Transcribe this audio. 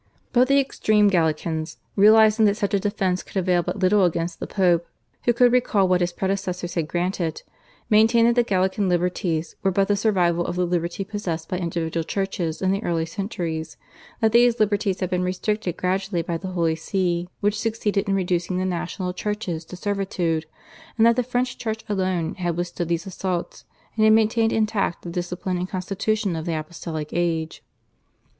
But the extreme Gallicans, realising that such a defence could avail but little against the Pope, who could recall what his predecessors had granted, maintained that the Gallican Liberties were but the survival of the liberty possessed by individual churches in the early centuries, that these liberties had been restricted gradually by the Holy See, which succeeded in reducing the national churches to servitude, and that the French Church alone had withstood these assaults, and had maintained intact the discipline and constitution of the apostolic age.